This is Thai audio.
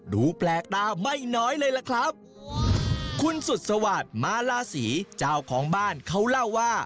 ดูแปลกตาไม่น้อยเลยล่ะครับคุณสุดสวัสดิ์มาลาศรีเจ้าของบ้านเขาเล่าว่า